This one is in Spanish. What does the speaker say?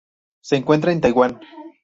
Se encuentra en Taiwán.